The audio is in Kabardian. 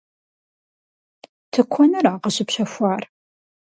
Тыкуэныра къыщыпщэхуар?